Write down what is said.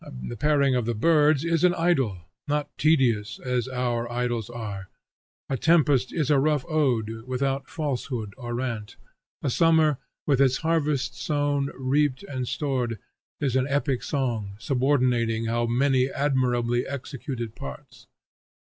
The pairing of the birds is an idyl, not tedious as our idyls are; a tempest is a rough ode, without falsehood or rant; a summer, with its harvest sown, reaped, and stored, is an epic song, subordinating how many admirably executed parts.